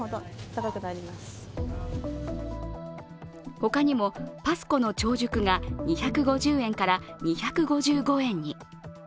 他にもパスコの超熟が２５０円から２５５円に。